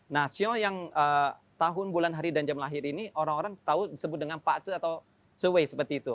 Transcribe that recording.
nah sio yang tahun bulan hari dan jam lahir ini orang orang tahu disebut dengan pacet atau cw seperti itu